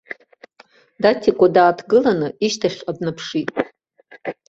Даҭикәа дааҭгыланы ишьҭахьҟа днаԥшит.